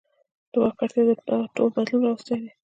د واک اړتیا دا ټول بدلون راوستی دی.